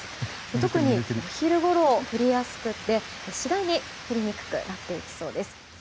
特にお昼ごろ降りやすくて次第に降りにくくなっていきそうです。